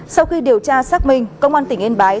sau khi điều tra xác minh công an tỉnh yên bái